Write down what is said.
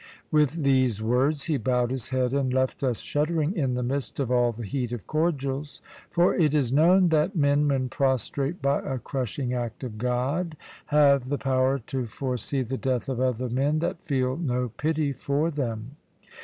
With these words he bowed his head, and left us shuddering in the midst of all the heat of cordials. For it is known that men, when prostrate by a crushing act of God, have the power to foresee the death of other men that feel no pity for them.